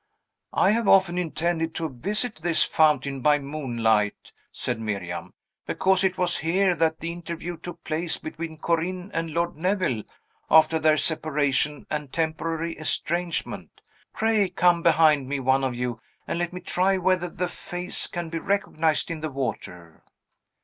"I have often intended to visit this fountain by moonlight,", said Miriam, "because it was here that the interview took place between Corinne and Lord Neville, after their separation and temporary estrangement. Pray come behind me, one of you, and let me try whether the face can be recognized in the water."